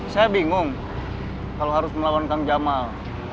saya bingung kalau harus melawan kang jamal